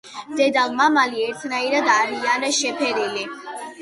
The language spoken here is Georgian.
დედალ-მამალი ერთნაირად არიან შეფერილი.